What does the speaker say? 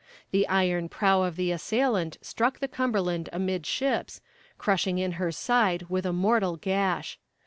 The iron prow of the assailant struck the Cumberland amidships, crushing in her side with a mortal gash.